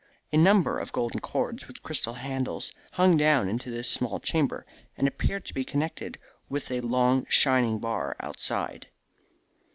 A number of golden cords with crystal handles hung down into this small chamber, and appeared to be connected with a long shining bar outside.